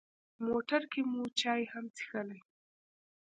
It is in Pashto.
موټر کې مو چای هم څښلې.